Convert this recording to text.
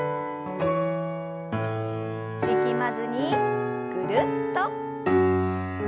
力まずにぐるっと。